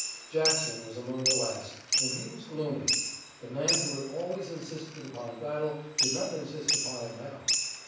Jackson was among the last, and he was gloomy. The man who had always insisted upon battle did not insist upon it now.